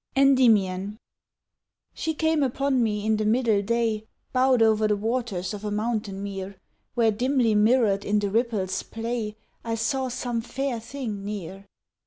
ENDYMION She came upon me in the middle day, Bowed o'er the waters of a mountain mere; Where dimly mirrored in the ripple's play I saw some fair thing near.